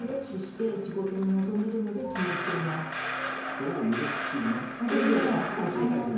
どう寝るかというのね、それぞれあるかもしれないです。